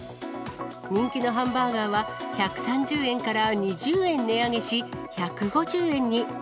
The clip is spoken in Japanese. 人気のハンバーガーは、１３０円から２０円値上げし、１５０円に。